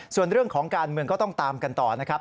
ส่วนเรื่องของการเมืองก็ต้องตามกันต่อนะครับ